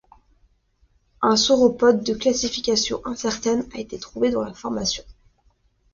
Un sauropode de classification incertaine a été trouvé dans la formation.